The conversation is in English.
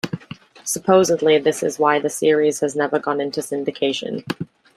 Supposedly this is why the series has never gone into syndication.